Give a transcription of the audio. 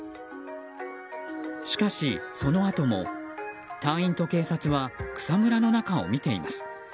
しかし、そのあとも隊員と警察は草むらの中を見ています。